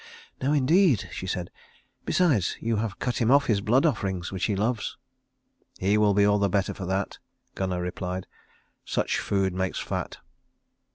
"No, indeed," she said. "Besides, you have cut him off his blood offerings which he loves." "He will be all the better for that," Gunnar replied. "Such food makes fat."